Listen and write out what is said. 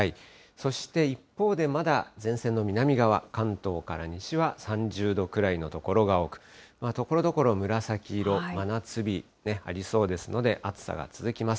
そして一方で、まだ前線の南側、関東から西は３０度くらいの所が多く、ところどころ紫色、真夏日ありそうですので、暑さが続きます。